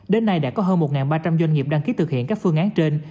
đến nay đã có hơn một ba trăm linh doanh nghiệp đăng ký thực hiện các phương án trên